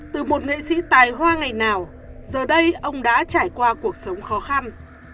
từ một nghệ sĩ tài hoa ngày nào giờ đây ông đã trải qua cuộc sống khó khăn